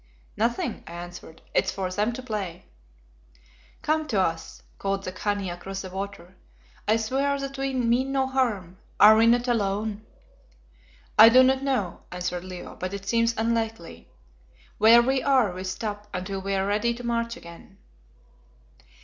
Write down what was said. "Nothing," I answered, "it is for them to play." "Come to us," called the Khania across the water. "I swear that we mean no harm. Are we not alone?" "I do not know," answered Leo, "but it seems unlikely. Where we are we stop until we are ready to march again."